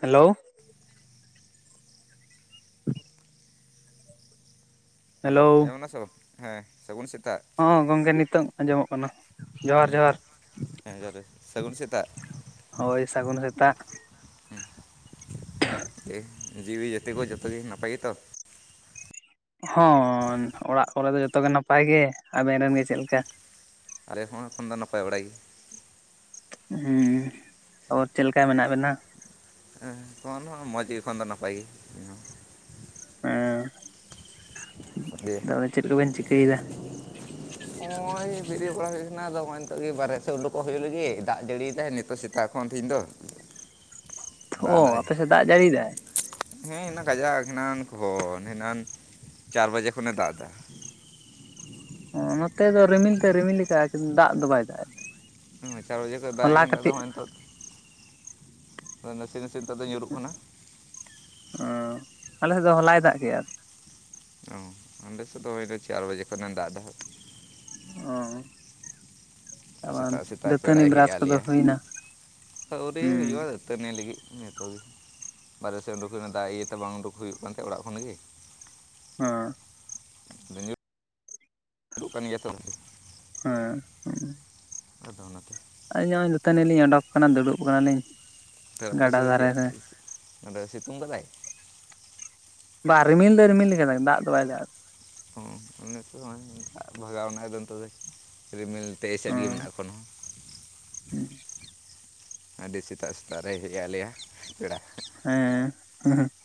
Hello hello ᱟᱧᱡᱚᱢ ᱱᱟ ᱥᱮ ᱵᱟᱝ ᱦᱮᱸ ᱥᱟᱹᱜᱩᱱ ᱥᱮᱛᱟᱜ ᱦᱚᱸ ᱜᱚᱝᱠᱮ ᱱᱤᱛᱚᱜ ᱟᱸᱡᱚᱢᱚᱜ ᱠᱟᱱᱟ ᱡᱚᱦᱟᱨ ᱡᱚᱦᱟᱨ ᱦᱮᱸ ᱡᱚᱸᱦᱟᱨ ᱜᱮ ᱥᱟᱜᱩᱱ ᱥᱮᱛᱟᱜ ᱦᱳᱭ ᱥᱟᱹᱜᱩᱱ ᱥᱮᱛᱟᱜ [unintelligible] ᱡᱤᱣᱤ ᱡᱛᱤ ᱠᱚ ᱡᱚᱛᱚ ᱜᱮ ᱱᱟᱯᱟᱭ ᱜᱮᱛᱚ ᱦᱮ ᱚᱲᱟᱜ ᱠᱚᱨᱮ ᱫᱚ ᱡᱚᱛᱚ ᱜᱮ ᱱᱟᱯᱟᱭ ᱜᱮ ᱟᱵᱮᱱ ᱨᱮᱱ ᱜᱮ ᱪᱮᱫᱞᱮᱠᱟ ᱟᱞᱮ ᱦᱚᱸ ᱮᱠᱷᱚᱱ ᱫᱚ ᱱᱟᱯᱟᱭ ᱵᱟᱲᱟ ᱜᱮ ᱦᱮᱸ [unintelligible] ᱟᱨ ᱪᱮᱫ ᱞᱮᱠᱟ ᱢᱮᱱᱟᱜ ᱵᱮᱱᱟ? ᱦᱮᱸ [unintelligible] ᱢᱚᱡᱽ ᱜᱮ ᱮᱠᱷᱚᱱ ᱫᱚ ᱱᱟᱯᱟᱭ ᱜᱮ [unintelligible] ᱼᱼ ᱦᱮᱸ ᱫᱤᱭᱮ [unintelligible] ᱛᱚᱞᱮ ᱪᱮᱫ ᱠᱚᱵᱤᱱ ᱪᱤᱠᱟᱹᱭᱮᱫᱟ? ᱱᱚᱜᱼᱚᱭᱭ ᱵᱮᱨᱮᱫ ᱵᱟᱲᱟ ᱦᱩᱭ ᱠᱟᱱᱟ ᱟᱫᱚ ᱱᱚᱜᱼᱚᱭ ᱱᱤᱛᱚᱜ ᱜᱮ ᱵᱟᱦᱨ ᱥᱮᱫ ᱩᱰᱩᱠᱚᱜ ᱦᱩᱭᱩᱜ ᱞᱟᱹᱜᱤᱫ ᱫᱟᱜ ᱡᱟᱹᱲᱤ [unintelligible] ᱱᱤᱛᱚᱜ ᱥᱮᱛᱟᱜᱼᱼ ᱥᱮᱛᱟᱜ ᱠᱷᱚᱱ ᱛᱮᱦᱮᱧ ᱫᱚᱼᱼ [unintelligible] ᱟᱯᱮ ᱥᱮᱫ ᱫᱟᱜ ᱡᱟᱹᱲᱤ ᱮᱫᱟᱭᱼᱼ ᱦᱮᱸ ᱮᱱᱟᱝ ᱠᱟᱡᱟᱠ ᱮᱱᱟᱝ ᱠᱷᱚᱱ ᱮᱱᱟᱝ ᱪᱟᱨ ᱵᱟᱡᱮ ᱠᱷᱚᱱᱮ ᱫᱟᱜ ᱮᱫᱟ᱾ [unintelligible] ᱱᱚᱛᱮ ᱫᱚ ᱨᱤᱢᱤᱞ ᱛᱮᱫ ᱮ ᱨᱤᱢᱤᱞ ᱟᱠᱟᱫᱟ ᱠᱤᱱᱛᱩ ᱫᱟᱜ ᱫᱚ ᱵᱟᱭ ᱫᱟᱜ ᱮᱫᱟ᱾ [unintelligible] ᱪᱟᱨ ᱵᱟᱡᱮ ᱠᱷᱚᱡ ᱫᱟᱜ ᱦᱚᱞᱟ [unintelligible] ᱟᱫᱚ ᱠᱟᱹᱴᱤᱡ ᱱᱚᱜᱚᱭ ᱱᱤᱛᱚᱜᱼᱼ ᱱᱟᱥᱮ ᱱᱟᱥᱮ ᱛᱮᱫᱚ ᱧᱩᱨᱩᱜ ᱠᱟᱱᱟ [unintelligible] ᱟᱞᱮ ᱥᱮᱫ ᱫᱚ ᱦᱚᱞᱟᱭ ᱫᱟᱜ ᱠᱮᱫᱟ᱾ ᱚᱸᱰᱮ ᱥᱮᱫ ᱫᱚ ᱦᱩᱭᱱᱟ ᱪᱟᱨ ᱵᱟᱡᱮ ᱠᱷᱚᱱᱮ ᱫᱟᱜ ᱮᱫᱟ ᱦᱟᱜᱼᱼ ᱚ [unintelligible] ᱼᱼ [unintelligible] ᱥᱮᱛᱟᱜ ᱥᱮᱛᱟᱜ ᱫᱟᱹᱛᱟᱹᱱᱤ ᱯᱮᱲᱟᱭ ᱦᱮᱡ ᱵᱨᱟᱥ ᱟᱫ ᱠᱚᱫᱚ ᱞᱮᱭᱟ ᱦᱩᱭᱱᱟ? ᱦᱮᱸᱼᱼ [unintelligible] ᱱᱤᱭᱟᱹ ᱞᱟᱹᱜᱤᱫ ᱡᱚᱛᱚᱜᱮ ᱵᱟᱨᱦᱮ ᱥᱮᱫ ᱩᱰᱩᱠ ᱦᱩᱭᱩᱜᱼᱟ ᱫᱟᱜ ᱤᱭᱟᱹᱛᱮ ᱵᱟᱝ ᱩᱰᱩᱠ ᱦᱩᱭᱩᱜ ᱠᱟᱱ ᱛᱟᱦᱮᱫ ᱚᱲᱟᱜ ᱠᱷᱚᱱ ᱜᱮᱼᱼ ᱦᱸ [unintelligible] ᱼᱼ ᱟᱫᱚ [unintelligible] ᱠᱟᱱ ᱜᱮᱭᱟ ᱛᱚᱼᱼ ᱦᱮᱸ [unintelligible] ᱼᱼ ᱟᱫᱚ ᱚᱱᱟᱛᱮᱼᱼ ᱟᱹᱞᱤᱧ ᱦᱚᱸ ᱫᱟᱹᱛᱟᱹᱱᱤ ᱞᱤᱧ ᱚᱰᱳᱠ ᱟᱠᱟᱱᱟ ᱫᱩᱲᱩᱵ ᱟᱠᱟᱱᱟᱞᱤᱧ᱾ [unintelligible] ᱟᱯᱮ ᱜᱟᱰᱟ ᱥᱮᱫ ᱫᱚ ᱫᱷᱟᱨᱮ ᱨᱮ ᱪᱮᱫ [unintelligible] ᱥᱤᱛᱩᱝ ᱟᱠᱟᱫᱟᱭ? ᱵᱟᱝ ᱨᱤᱢᱤᱞ ᱫᱚ ᱨᱤᱢᱤᱞ ᱟᱠᱟᱫᱟ ᱫᱟᱜ ᱫᱚ ᱵᱟᱭ ᱫᱟᱜ ᱮᱫᱟ᱾ [unintelligible] ᱫᱟᱜ ᱵᱷᱟᱜᱟᱣ ᱮᱱᱟ ᱟᱫᱚ ᱱᱤᱛᱚᱜ ᱫᱚ ᱨᱤᱢᱤᱞᱼᱼ ᱛ ᱮᱮᱥᱮᱫ ᱜᱮ ᱢᱮᱱᱟᱜᱼᱟ ᱮᱠᱷᱚᱱᱚᱼᱼ ᱦᱮᱸ᱾ ᱟᱹᱰᱤ ᱥᱮᱛᱟᱜ ᱥᱮᱛᱟᱜ ᱨᱮᱭ ᱦᱮᱡᱼᱟ ᱟᱞᱮᱭᱟᱜ ᱯᱮᱲᱟ᱾ ᱦᱮᱸ [unintelligible] ᱼᱼ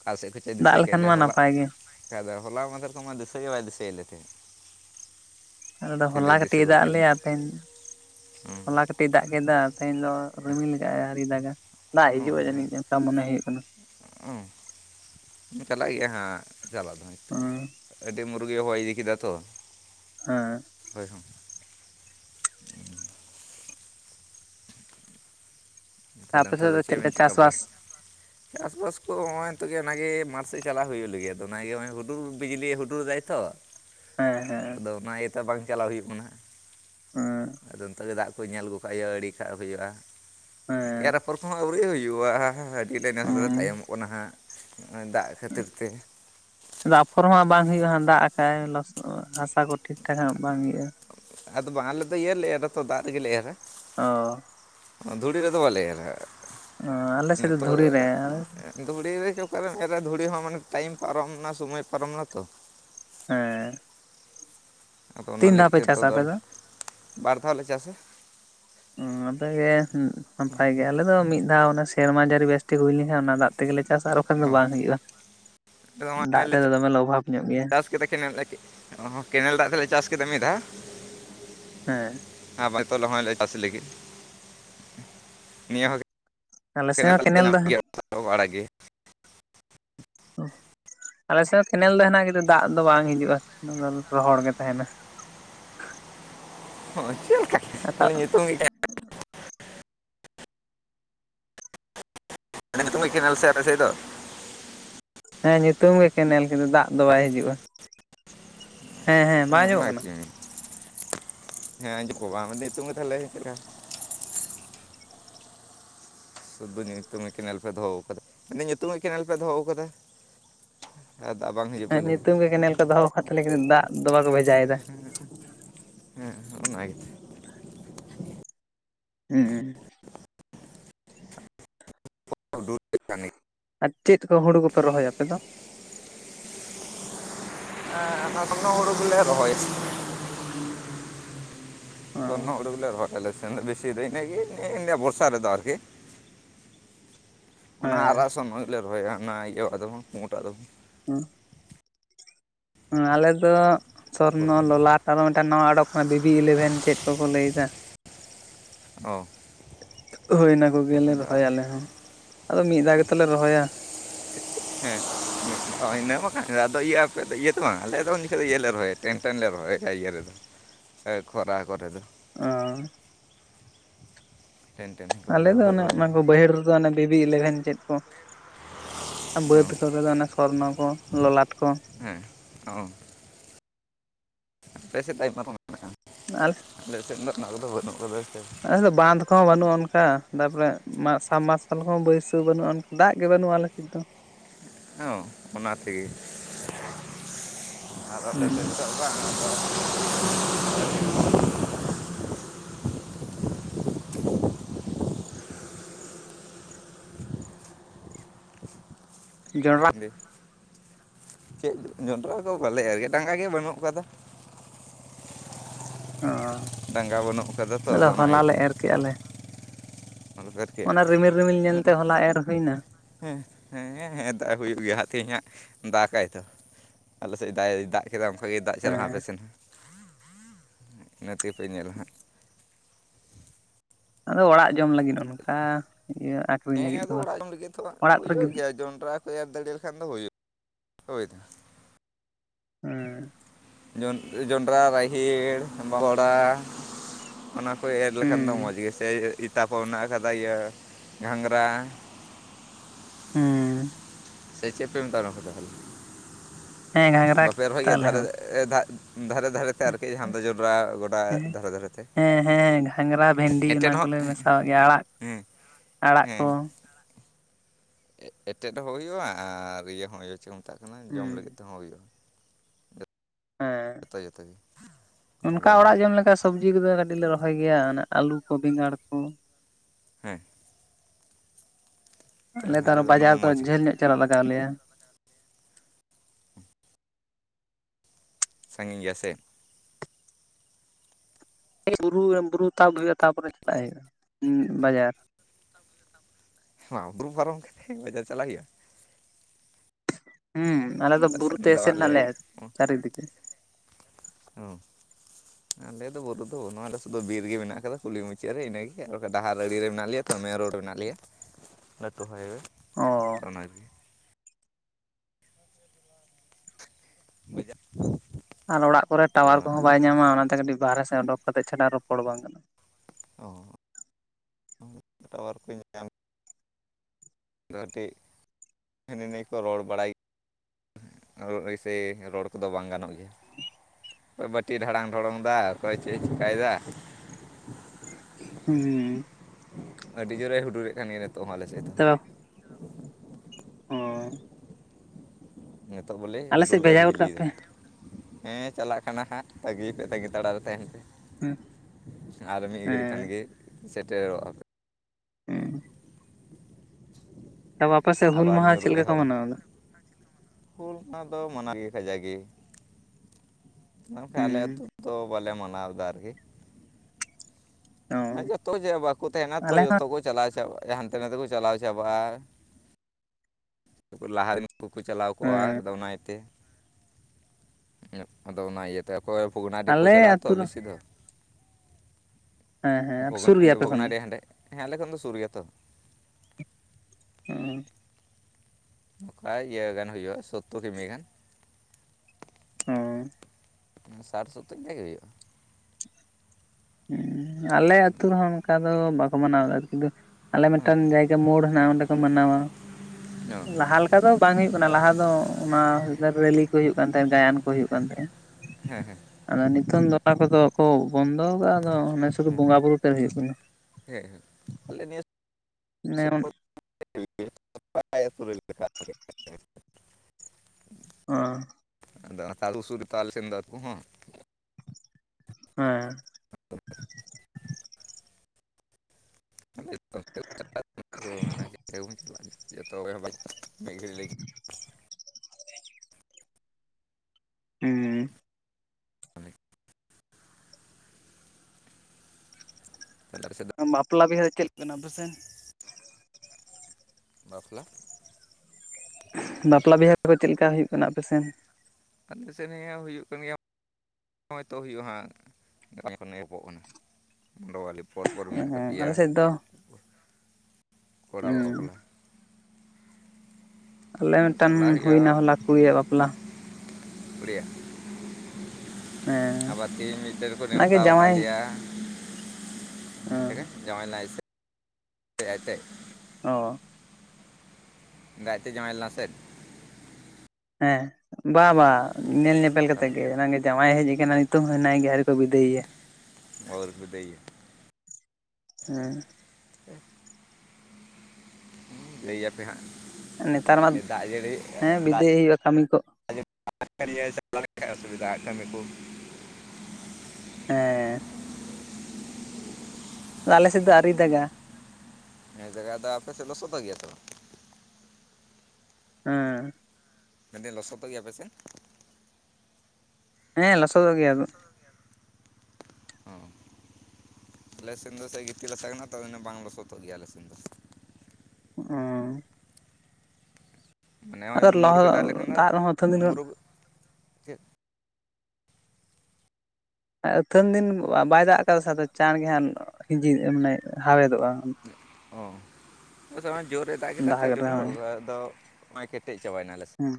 ᱚᱠᱟ ᱥᱮᱫ ᱠᱷᱚᱱ ᱪᱚ ᱫᱤᱥᱟᱹ ᱠᱮᱫ ᱞᱮᱭᱟ ᱦᱚᱞᱟᱼᱼ ᱜᱮ [unintelligible] ᱦᱚᱞᱟ ᱢᱟᱦᱫᱮᱨ ᱠᱷᱚᱱ ᱢᱟ ᱫᱤᱥᱟᱹ ᱜᱮ ᱵᱟᱭ ᱫᱤᱥᱟᱹᱭᱮᱫ ᱞᱮ ᱛᱟᱦᱮᱸᱫᱼᱼ ᱟᱞᱫᱚ ᱦᱚᱞᱟ ᱠᱟᱹᱴᱤᱡᱼᱮ ᱫᱟᱜᱟᱜ ᱞᱮᱭᱟ ᱛᱮᱦᱮᱧᱼᱼ ᱦᱚᱞᱟ ᱠᱟᱹᱴᱤᱡ ᱫᱟᱜ ᱠᱮᱫᱟ ᱛᱮᱦᱮᱧ ᱫᱚ ᱨᱤᱢᱤᱞ ᱠᱟᱜᱟᱭ ᱟᱹᱣᱨᱤ ᱫᱟᱜᱟᱭ᱾ ᱫᱟᱜ ᱦᱤᱡᱩᱜᱼᱟ ᱡᱟᱹᱱᱤᱡ ᱚᱱᱠᱟ ᱢᱚᱱᱮ ᱦᱩᱭᱩᱜ ᱠᱟᱱᱟ᱾ [unintelligible] [unintelligible] ᱼᱼ ᱪᱟᱞᱟᱜ ᱜᱮᱭᱟ [unintelligible] ᱪᱟᱞᱟᱜ ᱫᱚ [unintelligible] ᱼᱼ [unintelligible] ᱟᱨᱼᱼ ᱟᱹᱰᱤ [unintelligible] ᱮ ᱦᱚᱭ ᱤᱫᱤ ᱠᱮᱫᱟ ᱛᱚ᱾ ᱦᱮᱸ᱾ ᱦᱳᱭ [unintelligible] ᱼᱼ ᱛᱟᱦᱚᱞᱮ ᱟᱯᱮ ᱱᱮᱛᱟᱨ ᱥᱮᱫ ᱫᱚ ᱪᱮᱫ ᱞᱮᱠᱟ ᱵᱮᱱ ᱪᱤᱠᱟᱹ ᱵᱟᱲᱟᱭᱟ? ᱪᱟᱥᱵᱟᱥ ᱪᱟᱥᱵᱟᱥ ᱠᱚ ᱱᱚᱜᱼᱚᱭ ᱱᱤᱛᱚᱜ ᱜᱮ ᱢᱟᱴᱷ ᱥᱮᱫ ᱪᱟᱞᱟᱜ ᱦᱩᱭᱩᱜ ᱞᱟᱹᱜᱤᱫᱼ ᱟ ᱚᱱᱟᱜᱮ ᱱᱚᱜᱚᱭ ᱦᱩᱰᱩᱨ ᱵᱤᱡᱽᱞᱤ ᱦᱩᱰᱩᱨ ᱮᱫᱟᱭ ᱛᱚᱼᱼ ᱦᱮᱸ ᱦᱮᱸ ᱟᱫᱚ ᱚᱱᱟ ᱤᱭᱟᱹᱛᱮ ᱵᱟᱝ ᱪᱟᱞᱟᱣ ᱦᱩᱭᱩᱜ ᱠᱟᱱᱟ᱾ ᱦᱮᱸ ᱟᱫᱚ [unintelligible] ᱜᱮ ᱫᱟᱜᱼᱼ ᱠᱚ ᱧᱮᱞ ᱟᱜᱩ ᱠᱟᱜ ᱦᱩᱭᱩᱜᱼᱟ ᱟᱲᱮᱹ ᱠᱟᱜ ᱦᱩᱭᱩᱜᱼᱟ᱾ ᱦᱮᱸ᱾ ᱮᱨᱟᱯᱷᱚᱨ ᱠᱚᱦᱚᱸ ᱟᱹᱣᱨᱤ ᱦᱩᱭᱩᱜᱼᱟ ᱟᱹᱰᱤ ᱜᱮ ᱱᱮᱥ ᱫᱚᱞᱮ ᱦᱮᱸ ᱛᱟᱭᱚᱢᱚᱜ ᱠᱟᱱᱟ ᱦᱟᱜ ᱱᱚᱜᱚᱭ ᱫᱟᱜᱼᱼ ᱠᱷᱟᱹᱛᱤᱨ ᱛᱮᱼᱼ ᱟᱯᱷᱚᱨ ᱦᱚᱸ ᱵᱟᱝ ᱦᱩᱭᱩᱜᱼᱟ ᱦᱟᱸᱜ ᱫᱟᱜ ᱟᱠᱟᱫᱟᱭ [unintelligible] ᱦᱟᱥᱟ ᱠᱚ ᱴᱷᱤᱠ ᱴᱷᱟᱠ ᱦᱟᱸᱜ ᱵᱟᱝ ᱦᱩᱭᱩᱜᱼᱟ ᱟᱫᱚ ᱵᱟᱝ ᱟᱞᱮ ᱫᱚ ᱤᱭᱟᱹ [unintelligible] ᱮᱨ ᱟᱛᱚ ᱫᱟᱜ ᱨᱮᱜᱮᱞᱮ ᱮᱨᱟ᱾ [unintelligible] ᱼᱼ ᱫᱷᱩᱲᱤ ᱨᱮᱫᱚ ᱵᱟᱞᱮ ᱮᱨᱟᱼᱼ ᱚᱻ ᱟᱞᱮ ᱥᱮᱫ ᱫᱚ ᱫᱷᱩᱲᱤ ᱨᱮ ᱟᱹᱞ ᱫᱷᱩᱲᱤ ᱨᱮ ᱪᱟ ᱚᱠᱟᱨᱮ ᱢᱮᱨᱟ ᱫᱷᱩᱲᱤ ᱦᱚ ᱢᱟᱱᱮ ᱴᱟᱭᱤᱢ ᱯᱟᱨᱚᱢ ᱮᱱᱟ ᱥᱚᱢᱚᱭ ᱯᱟᱨᱚᱢ ᱱᱟ ᱛᱚᱼᱼ ᱦᱮᱸ ᱟᱫᱚ ᱚᱱᱟ ᱛᱤᱱ ᱫᱷᱟᱣ ᱞᱟᱹᱜᱤᱫ ᱯᱮ ᱛᱮ ᱪᱟᱥᱟ ᱱᱤᱛᱚᱜ ᱫᱚ ᱟᱯᱮ ᱟᱨ ᱵᱟᱨ ᱫᱷᱟᱣ ᱞᱮ ᱪᱟᱥᱟ᱾ ᱟᱯᱮ ᱜᱮ ᱱᱟᱯᱟᱭ ᱜᱮ ᱟᱞᱮ ᱫᱚ ᱢᱤᱫ ᱫᱷᱟᱣ ᱥᱮᱨᱢᱟ ᱡᱟᱹᱲᱤ ᱵᱮᱥᱴᱷᱤᱠ ᱦᱩᱭ ᱞᱮᱱᱠᱷᱟᱱ ᱚᱱᱟ ᱫᱟᱜ ᱛᱮᱜᱮᱞᱮ ᱪᱟᱥᱟ ᱟᱨ ᱵᱟᱠᱷᱟᱱ ᱫᱚ ᱵᱟᱝ ᱦᱩᱭᱩᱜ-ᱟ ᱫᱟᱜ ᱛᱮᱫᱚ ᱫᱚᱢᱮᱞᱮ ᱚᱵᱷᱟᱵᱽ ᱧᱚᱜ ᱜᱮᱭᱟ ᱪᱤᱠᱟᱹ ᱠᱮᱫᱟ ᱠᱮᱱᱮᱞ ᱠᱮᱱᱮᱞ ᱫᱟᱜ ᱛᱟᱦᱞᱮ ᱪᱟᱥ ᱠᱮᱫᱟ ᱢᱤᱫ ᱫᱷᱟ ᱦᱮᱸ ᱦᱮ ᱵᱟᱞᱛᱮᱦᱞᱟ ᱞᱮ ᱪᱟᱥ ᱞᱟᱹᱜᱤᱫ ᱱᱤᱭᱟᱹ ᱦᱚ ᱟᱞᱮ ᱥᱮᱫ ᱦᱚ ᱠᱮᱱᱮᱞ ᱫᱚ ᱵᱟᱲᱟᱜᱮ [unintelligible] ᱼᱼ [unintelligible] ᱼᱼ ᱟᱞᱮᱥᱮᱫ ᱫᱚ ᱠᱮᱱᱮᱞ ᱫᱚ ᱦᱮᱱᱟᱜ-ᱟ ᱠᱤᱱᱛᱩ ᱫᱟᱜ ᱫᱚ ᱵᱟᱝ ᱦᱤᱡᱩᱜ-ᱟ ᱨᱚᱦᱚᱲ ᱜᱮ ᱛᱟᱦᱮᱱᱟ᱾ ᱦᱚ ᱪᱮᱫ [unintelligible] ᱧᱩᱛᱩᱢ ᱜᱮ ᱧᱩᱛᱩᱢ ᱜᱮ ᱠᱮᱱᱮᱞ ᱨᱮ ᱥᱮ ᱫᱟᱜ ᱦᱮ ᱧᱩᱛᱩᱢ ᱜᱮ ᱠᱮᱱᱮᱞ ᱠᱟ ᱫᱟᱜ ᱫᱚ ᱵᱟᱭ ᱦᱤᱡᱩᱜ-ᱟ᱾ ᱦᱮ ᱚᱱᱟᱠᱤ ᱦᱮ ᱤᱠᱚ ᱵᱟᱝ ᱧᱩᱛᱩᱢ ᱢᱮ ᱛᱟᱦᱞᱮ ᱪᱮᱫ ᱞᱮᱠᱟ ᱥᱩᱫᱩ ᱧᱩᱛᱩᱢ ᱜᱮ ᱠᱮᱱᱮᱞ ᱯᱮ ᱫᱚᱦᱚ ᱟᱠᱟᱫᱟ ᱢᱮᱱ ᱧᱩᱛᱩᱢ ᱠᱮᱱᱮᱞ ᱯᱮ ᱫᱚᱦᱚ ᱟᱠᱟᱫᱟ ᱦᱮ ᱫᱟᱜ ᱵᱟᱝ ᱦᱤᱡᱩᱜ ᱦᱮ ᱯᱮ ᱞᱟᱹᱭ ᱧᱩᱛᱩᱢ ᱜᱮ ᱠᱮᱱᱮᱞ ᱠᱚ ᱫᱚᱦᱚ ᱠᱟᱜ ᱛᱟᱦᱮ ᱫᱟᱜ ᱫᱚ ᱵᱟᱠᱚ ᱵᱷᱮᱡᱟᱭᱮᱫᱟ ᱦᱮ [unintelligible] ᱦᱮᱸ ᱚᱱᱟ ᱜᱮ᱾ ᱦᱩ [unintelligible] ᱟᱨ ᱪᱮᱫ ᱠᱚ ᱦᱩᱲᱩ ᱠᱚᱯᱮ ᱨᱚᱦᱚᱭᱟ ᱟᱯᱮ ᱫᱚ ᱦᱳᱲᱳ ᱜᱮᱞᱮ ᱨᱚᱦᱚᱭᱟ ᱚ ᱥᱚᱨᱱᱚ ᱦᱩᱲᱩ ᱜᱮᱞᱮ ᱨᱚᱦᱚᱭ ᱟᱞᱮ ᱥᱮᱱ ᱵᱮᱥᱤᱭ ᱤᱱᱟᱹᱜᱮ ᱵᱚᱨᱥᱟ ᱨᱮᱫᱚ ᱟᱨᱠᱤ ᱚᱱᱟ ᱟᱨᱟᱜ ᱦᱮᱸ ᱥᱚᱱ ᱜᱮᱞᱮ ᱨᱚᱦᱚᱭᱟ ᱚᱱᱟ ᱤᱭᱟᱹᱣᱟᱜ ᱫᱚ ᱯᱩᱸᱴᱟᱜ ᱫᱚ ᱟᱞᱮ ᱫᱚ ᱥᱚᱨᱱᱚ ᱞᱚᱞᱟᱴ ᱫᱚ ᱢᱤᱫᱴᱟᱝ ᱱᱟᱣᱟ ᱚᱰᱳᱠ ᱠᱟᱱᱟ ᱵᱤᱵᱤ ᱤᱞᱮᱵᱷᱮᱱ ᱪᱮᱫ ᱠᱚᱠᱚ ᱞᱟᱹᱭ ᱮᱫᱟ᱾ ᱚ ᱦᱳᱭ ᱚᱱᱟ ᱠᱚᱜᱮᱞᱮ ᱟᱫᱚ ᱨᱚᱦᱚᱭᱟ ᱟᱞᱮ ᱦᱚ ᱟᱫᱚ ᱢᱤᱫ ᱫᱷᱟᱣ ᱜᱮᱛᱚᱞᱮ ᱨᱚᱦᱚᱭᱟ᱾ ᱦᱮ ᱱᱟᱹᱢᱟᱫᱚ ᱤᱭᱟᱹ ᱤᱭᱟᱹ ᱫᱚ ᱵᱟᱝ ᱟᱞᱮ ᱩᱱ ᱡᱚᱠᱷᱚᱱ ᱫᱚ ᱤᱭᱟᱹ ᱞᱮ ᱨᱚᱦᱚᱭᱮᱫ ᱴᱮᱱᱥᱮᱱ ᱞᱮ ᱨᱚᱦᱚᱭᱟ ᱤᱭᱟᱹ ᱨᱮᱫᱚ ᱠᱷᱚᱨᱟ ᱠᱚᱨᱮ ᱫᱚ᱾ ᱚᱸ ᱴᱮᱱ ᱴᱮᱱ ᱟᱞᱮ ᱠᱚᱞᱮ ᱫᱚ ᱨᱚᱦᱚᱭ ᱚᱱᱮ ᱵᱟᱲᱟᱭ ᱚᱱᱟ ᱠᱚ ᱜᱮᱭᱟ ᱵᱟᱹᱭᱦᱟᱹᱲ ᱨᱮᱫᱚ ᱚᱱᱮ ᱵᱤᱵᱤ ᱤᱞᱮᱵᱷᱮᱱ ᱪᱮᱫ ᱠᱚ ᱚ ᱵᱟᱹᱫᱽ ᱠᱚᱨᱮ ᱫᱚ ᱚᱱᱮ ᱥᱚᱨᱱᱚ ᱠᱚ ᱞᱚᱞᱟᱴ ᱠᱚ ᱦᱮᱸ ᱚ ᱟᱯᱮᱥᱮᱫ ᱟᱭᱢᱟ [unintelligible] ᱟᱞ ᱟᱞᱮᱥᱮᱫ ᱫᱚ ᱚᱱᱟ ᱠᱚᱫᱚ ᱵᱟᱹᱱᱩᱜ ᱟᱠᱟᱫᱟ ᱥᱮ ᱟ ᱵᱟᱸᱫᱷ ᱦᱚᱸ ᱵᱟᱹᱱᱩᱜ-ᱚᱱᱠᱟ ᱛᱟᱯᱚᱨᱮ ᱥᱟᱵ ᱢᱟᱨᱥᱟᱞ ᱠᱚᱦᱚᱸ ᱵᱟᱹᱭᱥᱟᱹᱣ ᱵᱟᱹᱱᱩᱜ-ᱟ ᱚᱱᱠᱟ ᱫᱟᱜ ᱜᱮ ᱵᱟᱹᱱᱩᱜ-ᱟ ᱞᱟᱞᱮ ᱥᱮᱫ ᱫᱚ ᱦᱮ ᱚᱱᱟ ᱛᱮᱜᱮ ᱟᱨ ᱟᱞᱮ ᱥᱮᱫ ᱦᱩᱸ ᱫᱚ ᱵᱟᱝ [unintelligible] ᱡᱚᱬᱚ [inaudible] ᱡᱚᱱᱰᱨᱟ ᱵᱟᱞᱮ ᱮᱨ ᱜᱮ ᱴᱟᱸᱜᱟ ᱜᱮ ᱵᱟᱹᱱᱩᱜ ᱠᱟᱫᱟ ᱚ ᱴᱟᱸᱜᱟ ᱵᱟᱹᱱᱩᱜ ᱠᱟᱫᱟ ᱛᱚ ᱟᱫᱚ ᱚᱱᱟ ᱤᱭᱟᱹᱛᱮ ᱠᱮᱭᱟᱞᱮ [inaudible] ᱚᱱᱟ ᱨᱤᱢᱤᱞ ᱨᱤᱢᱤᱞ ᱦᱮᱸ ᱧᱮᱞᱛᱮ ᱦᱚᱞᱟ ᱮᱨ ᱦᱩᱭᱱᱟ [unintelligible] [unintelligible] ᱫᱟᱜ ᱦᱩᱭᱩᱜ ᱜᱮᱭᱟ ᱛᱮᱦᱮᱧ ᱦᱟᱸᱜ ᱫᱟᱜ ᱟᱭ ᱛᱚ ᱟᱞᱮ ᱥᱮ ᱫᱟᱭ ᱫᱟᱜ ᱠᱮᱫᱟ ᱚᱱᱠᱟᱜᱮ ᱫᱟᱜ ᱪᱟᱞᱟᱜᱼᱟ ᱦᱮᱸ ᱟᱯᱮ ᱥᱮᱱ ᱤᱱᱟᱹ ᱛᱮᱜᱮᱯᱮ ᱧᱮᱞᱟ ᱦᱟᱸᱜ ᱟᱫᱚ ᱚᱲᱟᱜ ᱡᱚᱢ ᱞᱟᱹᱜᱤᱫ ᱚᱱᱠᱟ ᱤᱭᱟᱹ ᱟᱠᱷᱨᱤᱧ ᱦᱮᱸ ᱞᱟᱹᱜᱤᱫ ᱫᱚ ᱟᱫᱚ ᱵᱟᱝ ᱚᱲᱟᱜ ᱡᱚᱢ ᱞᱟᱹᱜᱤᱫ ᱫᱚ ᱚᱲᱟᱜ ᱠᱚᱨᱮ ᱜᱮ ᱦᱩᱭᱩᱜ ᱜᱮᱭᱟ ᱡᱚᱸᱰᱽᱨᱟ ᱠᱚ ᱮᱨ ᱫᱟᱲᱮ ᱞᱮᱠᱷᱟᱱ ᱫᱚ ᱦᱩᱭᱩᱜ [unintelligible] ᱩᱸ ᱡᱚᱸᱰᱨᱟ ᱨᱟᱦᱮᱲ ᱵᱟᱣᱲᱟ ᱚᱱᱟ ᱠᱚ ᱮᱨ ᱞᱮᱠᱷᱟᱱ ᱫᱚ ᱦᱩᱸ ᱢᱚᱡᱽ ᱜᱮᱥᱮ ᱮᱛᱟ ᱠᱚ ᱢᱮᱱᱟᱜ ᱟᱠᱟᱫᱟ ᱤᱭᱟᱹ ᱜᱷᱟᱸᱝᱨᱟ ᱦᱩᱸ ᱥᱮ ᱪᱮᱫ ᱯᱮ ᱢᱮᱛᱟ [inaudible] ᱦᱮᱸ ᱜᱷᱟᱸᱜᱽᱨᱟ ᱵᱟᱯᱮ ᱨᱚᱦᱚᱭ ᱠᱚ ᱜᱮᱭᱟ ᱟᱞᱮ ᱫᱷᱟᱨᱮ ᱦᱚᱸ ᱮ ᱫᱟᱜ ᱫᱷᱟᱨᱮ ᱫᱷᱟᱨᱮ [unintelligible] [unintelligible] ᱡᱚᱸᱰᱨᱟ ᱜᱚᱰᱟ ᱦᱮᱸ ᱫᱷᱟᱨᱮ ᱫᱷᱟᱨᱮ ᱛᱮ ᱦᱮᱸ ᱦᱮᱸ ᱜᱷᱟᱸᱜᱽᱨᱟ ᱵᱷᱮᱱᱰᱤ ᱚᱱᱟ ᱮᱴᱮᱫ ᱦᱚᱸ ᱠᱚᱞᱮ ᱢᱮᱥᱟᱣᱟᱜ ᱜᱮᱭᱟ ᱟᱲᱟᱜ ᱦᱮᱸ ᱟᱲᱟᱜ ᱠᱚ ᱦᱮᱸ ᱮᱴᱮᱫ ᱦᱚᱸ ᱦᱩᱭᱩᱜᱼᱟ ᱟᱨ ᱤᱭᱟᱹ ᱦᱚᱸ ᱦᱩᱭᱩᱜᱼᱟ ᱪᱮᱫ ᱠᱚ ᱢᱮᱛᱟᱜ ᱠᱟᱱᱟ ᱡᱚᱢ ᱦᱩᱸ ᱞᱟᱹᱜᱤᱫ ᱛᱮᱦᱚᱸ ᱦᱩᱭᱩᱜᱼᱟ᱾ ᱡᱚᱛᱚ ᱡᱚᱛᱚ ᱜᱮ ᱦᱮᱸ ᱟᱫᱚ ᱚᱱᱠᱟ ᱚᱲᱟᱜ ᱚᱱᱟᱜᱮ ᱡᱚᱢ ᱞᱮᱠᱟ ᱥᱚᱵᱡᱤ ᱠᱚᱫᱚ ᱠᱟᱹᱴᱤᱡ ᱞᱮ ᱨᱚᱦᱚᱭ ᱜᱮᱭᱟ ᱟᱹᱞᱩ ᱠᱚ ᱵᱮᱸᱜᱟᱲ ᱠᱚ ᱦᱮᱸ ᱞᱮᱛᱟᱲ ᱛᱟᱦᱚᱞᱮ ᱵᱟᱡᱟᱨ ᱚᱱᱟᱢᱟ ᱫᱚ ᱢᱚᱡᱽ ᱜᱮ ᱡᱷᱟᱹᱞ ᱧᱚᱜ ᱪᱟᱞᱟᱜ ᱞᱟᱜᱟᱣ ᱞᱮᱭᱟ ᱥᱟᱺᱜᱤᱧ ᱜᱮᱭᱟ ᱥᱮ ᱵᱩᱨᱩ [unintelligible] ᱵᱩᱨᱩ ᱛᱟᱯ ᱦᱩᱭᱩᱜᱼᱟ ᱛᱟᱯ ᱨᱮ ᱪᱟᱞᱟᱜ ᱦᱩᱭᱩᱜᱼᱟ ᱵᱟᱡᱟᱨ [unintelligible] ᱵᱩᱨᱩ ᱯᱟᱨᱚᱢ ᱠᱟᱛᱮᱫ ᱩᱱᱟᱜ ᱡᱷᱟᱞ ᱪᱟᱞᱟᱜ ᱦᱩᱭᱩᱜᱼᱟ᱾ ᱦᱩᱸ ᱟᱞᱮ ᱫᱚ ᱵᱩᱨᱩ ᱥᱮᱱ ᱛᱮ ᱫᱚ ᱮᱥᱮᱫ ᱢᱮᱱᱟᱜ ᱟᱞᱮ ᱞᱮᱭᱟ ᱦᱚᱸ ᱪᱟᱨᱤ ᱫᱤᱠᱮ [inaudible] [inaudible] ᱟᱞᱮ ᱫᱚ ᱵᱩᱨᱩ ᱫᱚ ᱵᱟᱱᱩᱜᱼᱟ ᱟᱞᱮ ᱥᱮᱫ ᱫᱚ ᱵᱤᱨ ᱜᱮ ᱢᱮᱱᱟᱜ ᱟᱠᱟᱫᱟ ᱠᱩᱞᱦᱤ ᱢᱩᱪᱟᱹᱫ ᱨᱮ ᱤᱱᱟᱹᱜᱮ ᱟᱨ ᱰᱟᱦᱟᱨ ᱟᱲᱮ ᱨᱮ ᱢᱮᱱᱟᱜ ᱞᱮᱭᱟ ᱫᱚᱢᱮ ᱨᱳᱲ ᱢᱮᱱᱟᱜ ᱞᱮᱭᱟ ᱞᱟᱹᱴᱩ ᱦᱟᱭᱳᱭᱮ ᱚ ᱚᱱᱟᱜᱮ [unintelligible] ᱟᱨ ᱚᱲᱟᱜ ᱠᱚᱨᱮ ᱴᱟᱣᱟᱨ ᱚᱱᱟ ᱠᱚᱦᱚᱸ ᱵᱟᱭ ᱧᱟᱢᱟ ᱚᱱᱟᱛᱮ ᱠᱟᱹᱴᱤᱡ ᱵᱟᱦᱨᱮ ᱥᱮᱫ ᱚᱰᱚᱠ ᱠᱟᱛᱮᱫ ᱪᱷᱟᱲᱟ ᱨᱚᱯᱚᱲ ᱵᱟᱝ ᱚ [inaudible] [unintelligible] ᱠᱟᱹᱴᱤᱡ ᱦᱟᱱᱤ ᱱᱹᱟᱭ ᱠᱚ ᱨᱚᱲ ᱵᱟᱲᱟᱭ ᱟᱫᱚ ᱳᱭᱥᱮ ᱨᱚᱲ ᱠᱚᱫᱚ ᱵᱟᱝ ᱜᱟᱱᱚᱜ ᱜᱮᱭᱟ᱾ ᱚᱠᱚᱭ ᱵᱟᱹᱴᱤ ᱰᱷᱟᱲᱟᱝ ᱰᱷᱚᱲᱚᱝ ᱮᱫᱟ ᱚᱠᱚᱭ ᱪᱮᱫ ᱮ ᱪᱤᱠᱟᱭ ᱮᱫᱟ [inaudible] ᱟᱹᱰᱤ ᱡᱚᱨᱮ ᱦᱩᱰᱩᱨᱮᱫ ᱠᱟᱱ ᱜᱮᱭᱟ ᱱᱤᱛᱚᱜ ᱦᱚᱸ ᱟᱞᱮ ᱥᱮᱫ ᱫᱚ᱾ ᱛᱚ [inaudible] ᱱᱤᱛᱚᱜ ᱵᱚᱞᱮ ᱟᱞᱮ ᱦᱩᱰᱩᱨ ᱥᱮᱫ ᱮᱫᱟ ᱵᱷᱮᱡᱟ ᱜᱚᱫ ᱵᱤᱡᱽᱞᱤ ᱠᱟᱜ ᱮᱫᱟ᱾ ᱯᱮ ᱦᱮᱸ ᱪᱟᱞᱟᱜ ᱠᱟᱱᱟ ᱦᱟᱸᱜ ᱛᱟᱹᱜᱤ ᱯᱮ ᱛᱟᱹᱜᱤ ᱛᱟᱲᱟᱨᱮ ᱛᱟᱦᱮᱱ ᱯᱮ᱾ ᱟᱨ ᱢᱤᱫ ᱜᱷᱟᱹᱲᱤ ᱠᱷᱟᱱ ᱦᱮᱸ ᱜᱮ ᱥᱮᱴᱮᱨᱚᱜᱼᱟ [inaudible] [unintelligible] ᱟᱯᱮ ᱥᱮᱫ ᱦᱩᱞ ᱟᱵᱟᱨ ᱢᱟᱦᱟ ᱪᱮᱫ ᱧᱩᱨᱩᱜ ᱞᱮᱠᱟ ᱠᱚ ᱮᱦᱚᱵ ᱢᱟᱱᱟᱣ ᱮᱫᱟ? ᱦᱩᱞ ᱢᱟᱦᱟ ᱫᱚ ᱢᱟᱱᱟᱣ ᱜᱮᱭᱟᱠᱚ ᱜᱟᱡᱟᱠ ᱜᱮ ᱢᱮᱱᱠᱷᱟᱱ ᱟᱞᱮ ᱟᱹᱛᱩ ᱦᱩᱸ ᱨᱮᱫᱚ ᱵᱟᱞᱮ ᱢᱟᱱᱟᱣᱫᱟ ᱟᱨᱠᱤ ᱚ ᱡᱚᱛᱚ ᱡᱮ ᱵᱟᱠᱚ ᱛᱟᱦᱮᱱ ᱱᱟᱛᱚ ᱟᱞᱮ ᱦᱚᱸ ᱡᱚᱛᱚᱠᱚ ᱪᱟᱞᱟᱣ ᱪᱟᱵᱟᱜᱼᱟ ᱦᱟᱱᱛᱮ ᱱᱟᱛᱮ ᱠᱚ ᱪᱟᱞᱟᱣ ᱪᱟᱵᱟᱜᱼᱟ᱾ ᱱᱩᱠᱩ ᱞᱟᱦᱟᱨᱤᱱ ᱠᱚᱠᱚ ᱪᱟᱞᱟᱣ ᱠᱚᱜᱼᱟ ᱦᱮᱸ ᱟᱫᱚ ᱚᱱᱟ ᱤᱭᱟᱹᱛᱮ ᱟᱫᱚ ᱚᱱᱟ ᱤᱭᱟᱹᱛ ᱛᱮ ᱚᱠᱚᱭ ᱵᱷᱚᱜᱽᱱᱟᱰᱤ ᱠᱚ ᱟᱞᱮ ᱪᱟᱞᱟᱜᱼᱟ ᱛᱚ ᱟᱹᱛᱩ ᱨᱮ ᱵᱮᱥᱤ ᱫᱚ᱾ ᱦᱮᱸ ᱦᱮᱸ ᱥᱩᱨ ᱜᱮᱭᱟ ᱵᱷᱚᱜᱽᱰᱮ ᱟᱯᱮ ᱠᱷᱚᱱ ᱫᱚ ᱵᱷᱚᱜᱽᱱᱟᱰᱤ ᱦᱟᱸᱰᱮ ᱦᱮᱸ ᱟᱞᱮ ᱠᱷᱚᱱ ᱫᱚ ᱥᱩᱨ ᱜᱮᱭᱟᱛᱚ᱾ [inaudible] ᱱᱚᱠᱟ ᱤᱭᱟᱹ ᱜᱟᱱ ᱦᱩᱭᱩᱜᱼᱟ ᱥᱳᱛᱛᱳ ᱠᱤᱢᱤ ᱜᱟᱱ [inaudible] ᱥᱟᱴ ᱥᱩᱛ ᱤᱱᱠᱟᱜ ᱜᱮ ᱦᱩᱭᱩᱜᱼᱟ ᱦᱩᱸ ᱟᱞᱮ ᱟᱹᱛᱩ ᱨᱮᱦᱚᱸ ᱚᱱᱠᱟ ᱫᱚ ᱵᱟᱠᱚ ᱢᱟᱱᱟᱣᱮᱫᱟ ᱠᱤᱱᱛᱩ ᱟᱞᱮ ᱢᱤᱫᱴᱟᱝ ᱡᱟᱭᱜ ᱼᱼ ᱠᱮ ᱢᱳᱲ ᱦᱮᱱᱟᱜᱼᱟ ᱚᱸᱰᱮ ᱠᱚ ᱢᱟᱱᱟᱣᱟ᱾ [inaudible] ᱞᱟᱦᱟ ᱞᱮᱠᱟ ᱫᱚ ᱵᱟᱝ ᱦᱩᱭᱩᱜ ᱠᱟᱱᱟ ᱞᱟᱦᱟ ᱫᱚ ᱚᱱᱟ ᱨᱮᱞᱤ ᱠᱚ ᱦᱩᱭᱩᱜ ᱠᱟᱱ ᱛᱟᱦᱮ ᱜᱟᱭᱟᱱ ᱠᱚ ᱦᱩᱭᱩᱜ ᱠᱟᱱ ᱛᱟᱦᱮᱸᱱ᱾ ᱦᱮᱸ ᱦᱮᱸ ᱟᱫᱚ ᱱᱤᱛᱚᱝ ᱫᱚ ᱚᱱᱟ ᱠᱚᱫᱚ ᱠᱚ ᱵᱚᱱᱫᱚ ᱟᱠᱟᱫᱼᱟ ᱫᱚ ᱚᱱᱟ ᱥᱩᱫᱩ ᱦᱮᱸ ᱵᱚᱸᱜᱟ ᱵᱩᱨᱩ ᱛᱮᱫ ᱦᱩᱭᱩᱜ ᱠᱟᱱᱟ᱾ ᱦᱮᱸ ᱦᱮᱸ ᱟᱞᱮ ᱱᱤᱭᱟᱹ ᱚᱱᱮ ᱥᱚ ᱯᱚᱫ [unintelligible] [unintelligible] ᱚᱸ ᱟᱫᱚ [inaudible] ᱥᱩᱨ ᱛᱚ ᱟᱞᱮ ᱥᱮᱱᱫᱚ ᱟ. ᱛᱩ ᱦᱚᱸ ᱦᱮᱸ [inaudible] [inaudible] [inaudible] [inaudible] [unintelligible] ᱵᱟᱯᱞᱟ ᱵᱤᱦᱟᱹ ᱫᱚ ᱪᱮᱫᱞᱮᱠᱟᱱᱟ ᱟᱯᱮᱥᱮᱱ? ᱵᱟᱯᱞᱟ ᱵᱟᱯᱞᱟ ᱵᱤᱦᱟᱹ ᱠᱚᱫᱚ ᱪᱮᱫ ᱞᱮᱠᱟ ᱦᱩᱭᱩᱜ ᱠᱟᱱᱟ ᱟᱯᱮᱥᱮᱱ? ᱟᱞᱮ ᱥᱮᱫ ᱱᱤᱭᱟ. ᱦᱩᱭᱩᱜ ᱠᱟᱱ ᱜᱮᱭᱟ᱾ ᱦᱚᱭᱛᱚ ᱦᱩᱭᱩᱜ ᱦᱟᱸᱜ ᱜᱟᱯᱟ ᱠᱷᱚᱱ ᱮᱦᱚᱯᱚᱜ ᱠᱟᱱᱟ [inaudible] ᱯᱚᱨ ᱯᱚᱨ ᱢᱮᱱᱟᱜ ᱦᱮᱸ ᱟᱠᱟᱫᱟ ᱜᱮᱭᱟ ᱟᱞᱮ ᱥᱮᱫ ᱫᱚ ᱠᱚᱲᱟᱣᱟᱜ ᱦᱮᱸ ᱵᱟᱯᱞᱟ᱾ ᱟᱞᱮ ᱢᱤᱫᱴᱟᱱ ᱪᱟᱞᱟᱜ ᱦᱩᱭᱩᱜᱼᱟ ᱦᱩᱭᱮᱱᱟ ᱦᱚᱞᱟ ᱠᱩᱲᱤᱭᱟᱜ ᱵᱟᱯᱞᱟ᱾ ᱵᱟᱹᱨᱭᱟᱹ ᱦᱮᱸ ᱟᱵᱟᱨ ᱛᱮᱦᱮᱧ ᱢᱤᱫᱴᱮᱱ ᱠᱚ ᱚᱱᱟᱜᱮ ᱱᱮᱣᱛᱟ ᱡᱟᱶᱟᱭ ᱟᱡᱛᱮᱜᱮ ᱡᱟᱶᱟᱭᱞᱮᱱᱟᱭ ᱥᱮ ᱟᱡᱛᱮ ᱚ ᱟᱡᱛᱮ ᱡᱟᱶᱟᱭ ᱞᱮᱱᱟ ᱥᱮ ᱦᱮᱸ ᱵᱟ ᱵᱟ ᱧᱮᱞ ᱧᱮᱯᱮᱞ ᱠᱟᱛᱮ ᱛᱟᱦᱚᱞᱮ ᱜᱮ, ᱚᱱᱟ ᱜᱮ ᱡᱟᱶᱟᱭ ᱦᱮᱡ ᱟᱠᱟᱱᱟ ᱱᱤᱛᱚᱝ ᱦᱚᱸ ᱦᱮᱱᱟᱭ ᱜᱮᱭᱟ ᱟᱣᱨᱤ ᱠᱚ ᱵᱤᱫᱟᱹᱭᱮᱭᱟ ᱟᱣᱨᱤ ᱠᱚ ᱵᱤᱫᱟᱹᱭᱮᱭᱟ ᱦᱩᱸ ᱮᱸ ᱩᱸᱻ ᱞᱟᱹᱭᱟᱯᱮ ᱦᱟᱸᱜ ᱦᱮᱸ ᱱᱮᱛᱟᱨ ᱢᱟ ᱫᱟᱜ ᱡᱟᱹᱲᱤ ᱦᱮᱸ ᱵᱤᱫᱟᱹᱭ ᱦᱩᱭᱩᱜᱼᱟ ᱠᱟᱹᱢᱤ ᱠᱚ ᱫᱟᱜ [unintelligible] ᱠᱟᱹᱢᱤ ᱠᱩ ᱦᱮᱸ ᱟᱞᱮ ᱥᱮᱡ ᱫᱚ ᱟᱣᱨᱤᱭ ᱫᱟᱜᱟ ᱟᱣᱨᱤ ᱫᱟᱜᱟ ᱟᱫᱚ ᱟᱯᱮ ᱥᱮᱫ ᱞᱚᱥᱚᱫᱚᱜ ᱜᱮᱭᱟ ᱛᱚ ᱦᱮᱸ ᱢᱮᱱᱫᱟᱹᱧ ᱞᱚᱥᱚᱫᱚᱜᱮᱭᱟ ᱟᱯᱮᱥᱮᱫ ᱦᱮᱸ ᱞᱚᱥᱚᱫᱚᱜ ᱜᱮᱭᱟ ᱫᱚ ᱚᱸ ᱟᱞᱮ ᱥᱮᱱ ᱫᱚ ᱥᱮ ᱜᱤᱛᱤᱞ ᱦᱟᱥᱟ ᱠᱟᱱᱟ ᱛᱚ, ᱢᱟᱱᱮ ᱵᱟᱝ ᱞᱚᱥᱚᱫᱚᱜ ᱜᱮᱭᱟ ᱟᱞᱮ ᱥᱮᱱ ᱫᱚ ᱚ ᱢᱟᱱᱮ ᱦᱚᱸᱜᱼᱚᱭ ᱟᱫᱚ ᱞᱚᱦᱚᱫ ᱢᱩᱨᱩᱠᱮ ᱫᱟᱜᱞᱮᱠᱷᱟᱱ ᱫᱟᱜ ᱫᱚ ᱨᱮᱦᱚᱸ ᱟᱹᱛᱷᱟᱹᱱ ᱫᱤᱱ ᱢᱩᱨᱩ ᱪᱮᱫ ᱟᱹᱛᱷᱟᱹᱱ ᱫᱤᱱ ᱵᱟᱭ ᱫᱟᱜ ᱟᱠᱟᱫᱟ ᱥᱮ ᱟᱫᱚ ᱪᱟᱬ ᱜᱮ ᱦᱟᱸᱜ ᱦᱤᱸᱡᱤᱫ ᱢᱟᱱᱮ ᱦᱟᱣᱮᱫᱚᱜ-ᱟ ᱚ, ᱟᱪᱪᱷᱟ ᱡᱳᱨᱮ ᱫᱟᱜ ᱠᱮᱫᱟ ᱛᱚ ᱟᱹᱰᱤ ᱢᱩᱨᱩᱠ ᱟᱫᱚ ᱠᱮᱴᱮᱡ ᱪᱟᱵᱟᱭᱮᱱᱟ ᱟᱯᱮ ᱥᱮᱫ ᱦᱮᱸ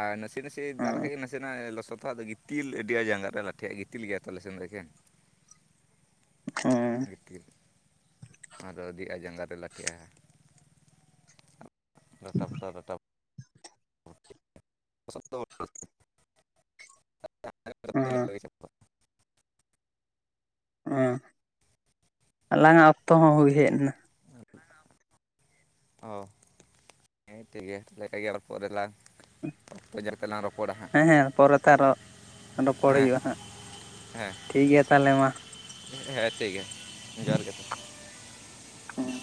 ᱟᱨ ᱱᱟᱥᱮ ᱱᱟᱥᱮ ᱫᱟᱜ ᱞᱮᱠᱟᱡ ᱜᱮ ᱱᱟᱥᱮᱱᱟᱜ ᱞᱚᱥᱚᱫᱚᱜ-ᱟ ᱟᱫᱚ ᱜᱤᱛ ᱛᱤᱞ ᱟᱹᱰᱤ ᱟᱜ ᱡᱟᱸᱜᱟ ᱨᱮ ᱞᱟᱴᱷᱮᱭᱟᱜ ᱜᱤᱛᱤᱞ ᱜᱮᱭᱟ ᱛᱚ ᱟᱞᱮ ᱥᱮᱱ ᱫᱚ ᱮᱠᱷᱮᱱ ᱦᱮᱸ ᱜᱤᱛᱤᱞ ᱟᱫᱚ ᱟᱰᱤ ᱟ ᱡᱟᱸᱜᱟ ᱨᱮ ᱞᱟᱴᱷᱮᱜ-ᱟ ᱰᱟᱴᱟ ᱯᱟᱴᱟᱭ ᱰᱟᱴᱟ ᱦᱮᱸ [unintelligible] ᱦᱮᱸ ᱟᱞᱟᱝᱟᱜ ᱚᱠᱛᱚ ᱦᱚᱸ ᱦᱩᱭ ᱦᱮᱡᱱᱟ ᱚ, ᱦᱮᱸ ᱴᱷᱤᱠ ᱜᱮᱭᱟ [unintelligible] ᱟᱨ ᱯᱚᱨᱮᱞᱟᱝ [unintelligible] ᱛᱮᱞᱟᱝ ᱨᱚᱯᱚᱲᱟ ᱦᱟᱸᱜ ᱦᱮᱸ ᱦᱮᱸ ᱯᱚᱨᱮᱛᱮ ᱟᱨᱚ ᱨᱚᱯᱚᱲ ᱦᱮᱸ ᱦᱩᱭᱩᱜ-ᱟ ᱦᱟᱸᱜ, ᱦᱮᱸ ᱴᱷᱤᱠ ᱜᱮᱭᱟ ᱛᱟᱦᱞᱮ ᱢᱟ᱾ ᱦᱮᱸ ᱴᱷᱤᱠᱜᱮᱭᱟ, ᱡᱚᱦᱟᱨ ᱜᱮ ᱦᱮᱸ